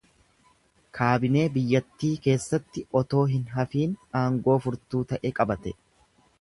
Kaabinee biyyattii keessatti otoo hin hafiin aangoo furtuu ta’e qabate.